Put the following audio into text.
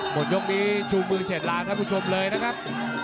หมดยกนี้ชูมือเสร็จลานะครับคุณผู้ชมเลยนะครับ